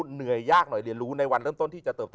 เหนื่อยยากหน่อยเรียนรู้ในวันเริ่มต้นที่จะเติบโต